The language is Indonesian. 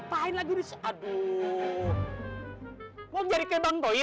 pak muhyiddin itu access gue dia udah